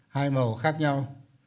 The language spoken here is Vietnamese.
hai màu khác nhau